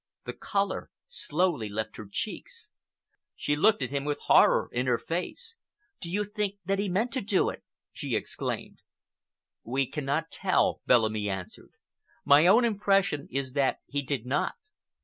The color slowly left her cheeks. She looked at him with horror in her face. "Do you think that he meant to do it?" she exclaimed. "We cannot tell," Bellamy answered. "My own impression is that he did not.